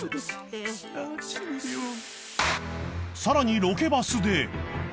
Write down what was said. ［さらにロケバスで］